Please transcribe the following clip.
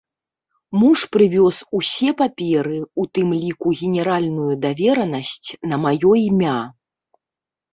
Муж прывёз усе паперы, у тым ліку генеральную даверанасць на маё імя.